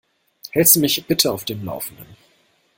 Hältst du mich bitte auf dem Laufenden?